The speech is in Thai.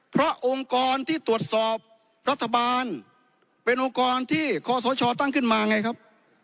เพราะองค์กรที่ตรวจสอบรัฐบาลเป็นองค์กรที่คอสชตั้งขึ้นมาไงครับ